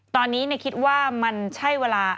ตอนนี้เนี่ยคิดว่ำัน